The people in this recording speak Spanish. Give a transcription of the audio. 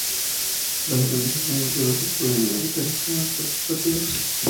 Las organizaciones de base pueden habitar sistemas participativos.